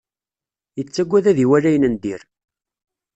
Yettagad ad iwali ayen n dir.